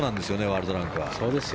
ワールドランクは。